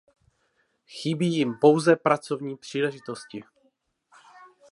Chybí jim pouze pracovní příležitosti.